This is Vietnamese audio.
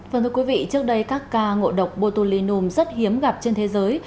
vâng thưa quý vị trước đây các ca ngộ độc botulinum rất hiếm gặp trên thế giới